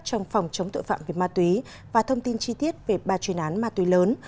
trong phòng chống tội phạm về ma túy và thông tin chi tiết về ba chuyên án ma túy lớn